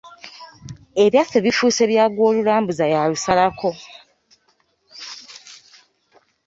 Ebyaffe bifuuse bya gw'olulambuza y’alusalako.